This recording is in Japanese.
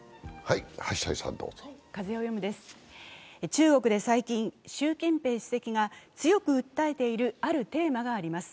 中国で最近、習近平主席が強く訴えているテーマがあります。